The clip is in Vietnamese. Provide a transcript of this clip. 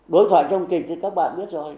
đối thoại trong kịch thì các bạn biết rồi